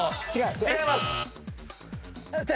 違います。